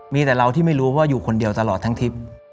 มีแต่เราที่ไม่รู้ว่าอยู่คนเดียวตลอดทั้งทิพย์